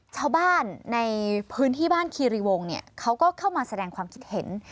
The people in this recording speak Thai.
ชาวบ้านในพื้นที่บ้านคีรีวงเนี่ยเขาก็เข้ามาแสดงความคิดเห็น